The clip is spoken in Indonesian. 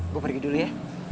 gue pergi dulu ya